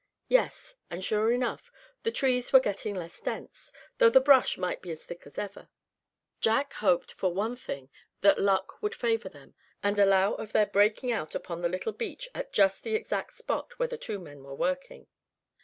Yes, and sure enough, the trees were getting less dense, though the brush might be as thick as ever. Jack hoped for one thing that luck would favor them, and allow of their breaking out upon the little beach at just the exact spot where the two men were working.